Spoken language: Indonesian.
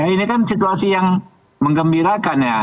ini kan situasi yang mengembirakan ya